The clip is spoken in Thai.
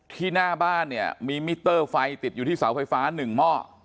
หน้าบ้านเนี่ยมีมิเตอร์ไฟติดอยู่ที่เสาไฟฟ้า๑หม้อ